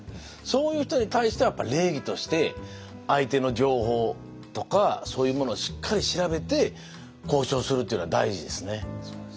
そういう人に対してはやっぱり礼儀として相手の情報とかそういうものをしっかり調べて交渉するというのは大事ですね。